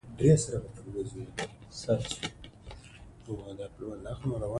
زه له رسنیو سالمه استفاده کوم.